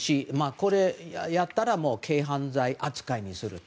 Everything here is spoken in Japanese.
これをやったら軽犯罪扱いにすると。